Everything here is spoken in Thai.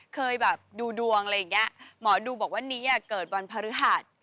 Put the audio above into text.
เคยแบบดูดวงอะไรอย่างนี้หมอดูบอกว่านี้เกิดวันพฤหัส